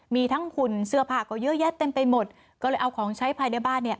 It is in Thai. มีทั้งหุ่นเสื้อผ้าก็เยอะแยะเต็มไปหมดก็เลยเอาของใช้ภายในบ้านเนี่ย